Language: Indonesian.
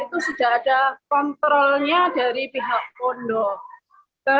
itu sudah ada kontrolnya dari pihak pondok